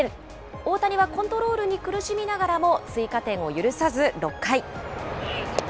大谷はコントロールに苦しみながらも、追加点を許さず６回。